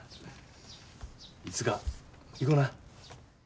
いつか行こな。